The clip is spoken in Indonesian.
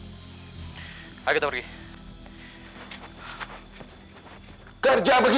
sudahlah buat itu dia tanya aku